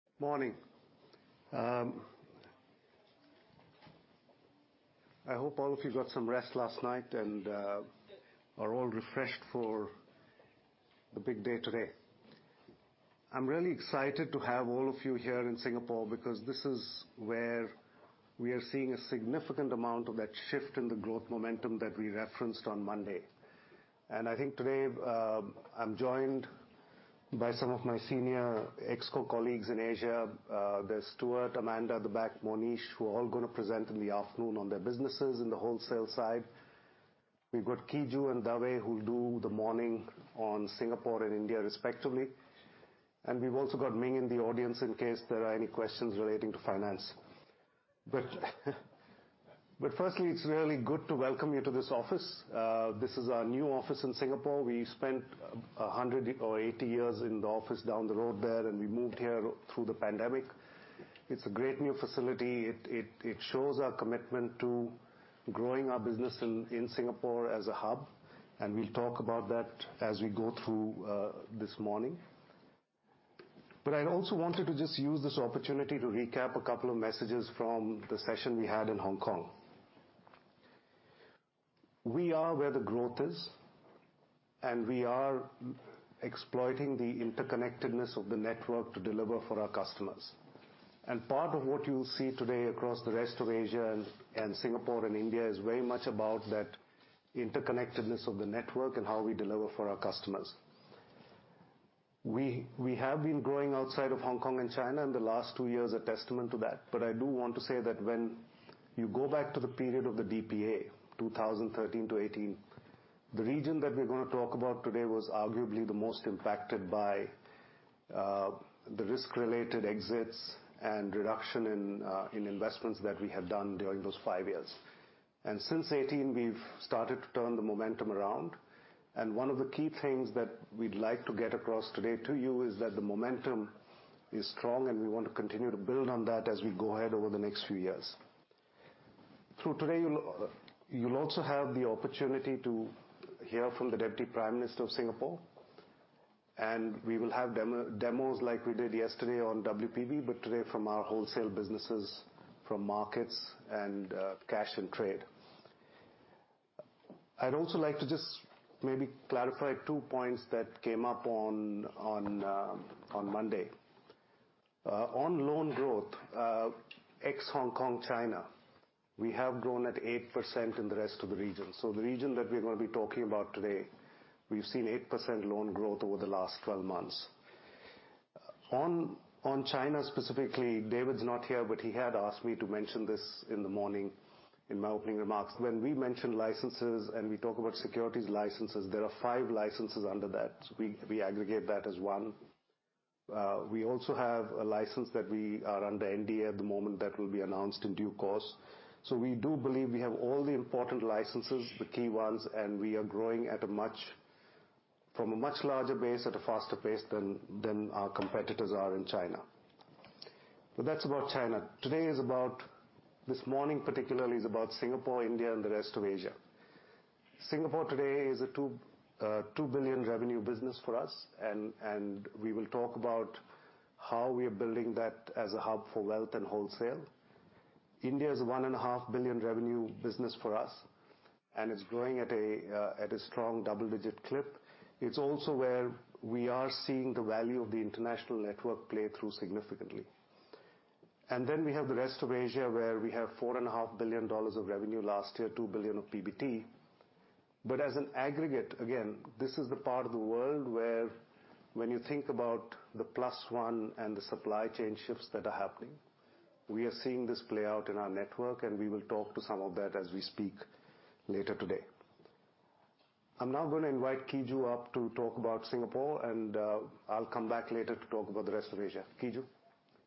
Morning. I hope all of you got some rest last night and are all refreshed for the big day today. I'm really excited to have all of you here in Singapore because this is where we are seeing a significant amount of that shift in the growth momentum that we referenced on Monday. I think today, I'm joined by some of my senior ExCo colleagues in Asia. There's Stuart, Amanda at the back, Monish, who are all gonna present in the afternoon on their businesses in the wholesale side. We've got Kee Joo and Dave, who'll do the morning on Singapore and India, respectively. We've also got Ming in the audience in case there are any questions relating to finance. Firstly, it's really good to welcome you to this office. This is our new office in Singapore. We spent 100 or 80 years in the office down the road there, we moved here through the pandemic. It's a great new facility. It shows our commitment to growing our business in Singapore as a hub, we'll talk about that as we go through this morning. I'd also wanted to just use this opportunity to recap a couple of messages from the session we had in Hong Kong. We are where the growth is, we are exploiting the interconnectedness of the network to deliver for our customers. Part of what you'll see today across the rest of Asia and Singapore and India is very much about that interconnectedness of the network and how we deliver for our customers. We have been growing outside of Hong Kong and China, the last two years are testament to that. I do want to say that when you go back to the period of the DPA, 2013-2018, the region that we're gonna talk about today was arguably the most impacted by the risk-related exits and reduction in investments that we had done during those five years. Since 2018, we've started to turn the momentum around, and one of the key things that we'd like to get across today to you is that the momentum is strong, and we want to continue to build on that as we go ahead over the next few years. Through today, you'll also have the opportunity to hear from the Deputy Prime Minister of Singapore, and we will have demos like we did yesterday on WPB, but today from our wholesale businesses from markets and cash and trade. I'd also like to just maybe clarify two points that came up on Monday. On loan growth, ex-Hong Kong, China, we have grown at 8% in the rest of the region. The region that we're gonna be talking about today, we've seen 8% loan growth over the last 12 months. On China specifically, David's not here, but he had asked me to mention this in the morning in my opening remarks. When we mention licenses and we talk about securities licenses, there are 5 licenses under that. We aggregate that as one. We also have a license that we are under NDA at the moment that will be announced in due course. We do believe we have all the important licenses, the key ones, and we are growing from a much larger base at a faster pace than our competitors are in China. That's about China. Today is about, this morning particularly, is about Singapore, India and the rest of Asia. Singapore today is a $2 billion revenue business for us, and we will talk about how we are building that as a hub for wealth and wholesale. India is a $1.5 billion revenue business for us, and it's growing at a strong double-digit clip. It's also where we are seeing the value of the international network play through significantly. Then we have the rest of Asia, where we have $4.5 billion of revenue last year, $2 billion of PBT. As an aggregate, again, this is the part of the world where when you think about the Plus One and the supply chain shifts that are happening, we are seeing this play out in our network, and we will talk to some of that as we speak later today. I'm now going to invite Kee Joo up to talk about Singapore, and I'll come back later to talk about the rest of Asia. Kee Joo?